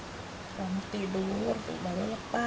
bangun tidur baru lepas